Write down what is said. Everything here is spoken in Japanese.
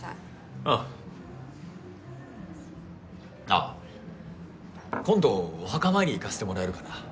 あ今度お墓参り行かせてもらえるかな？